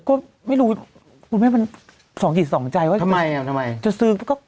ก็ไม่รู้คุณแม่มันส่องจิตส่องใจว่าจะซื้อก็